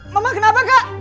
mama kenapa gak